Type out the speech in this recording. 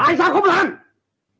tại sao không làm